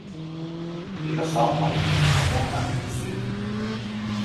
你不爽為什麼不明說？